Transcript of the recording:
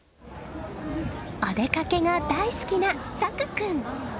お出かけが大好きな朔君。